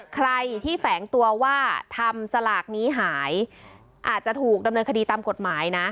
ใครที่แฝงตัวว่าทำสลากนี้หายอาจจะถูกดำเนินคดีตามกฎหมายนะ